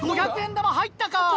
５００円玉入ったか？